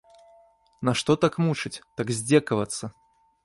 Нашто так мучыць, так здзекавацца?